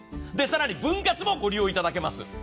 更に分割もご利用いただけます。